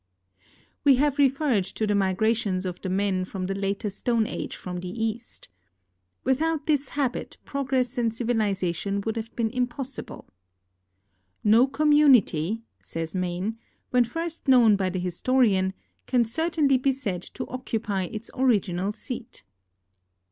We have referred to the migrations of the men of the later Stone Age from the East. Without this habit progress and civilization THE EFFECTS OF GEOGRAPHIC ENVIRONMENT 1G9 would have been impossible. "No coniinunity," says Maine, " when first known by the historian, can certainly be said to occupy its original seat."